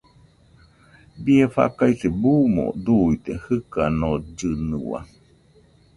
Bie faikase buuno duide jɨkanollɨnua.